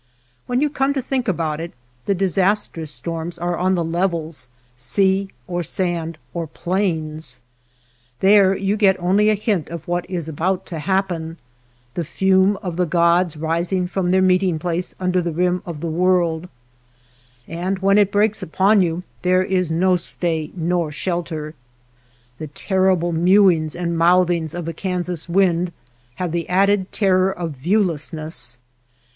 When you come to think about it, the disastrous storms are on the levels, sea or sand or plains. There you get only a hint of what is about to hap pen, the fume of the gods rising from their meeting place under the rim of the world ; and when it breaks upon you there is no stay nor shelter. The terrible mewings and mouthings of a Kansas wind have the added terror of viewlessness.